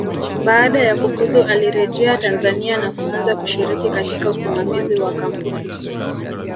Baada ya kufuzu alirejea Tanzania na kuanza kushiriki katika usimamizi wa kampuni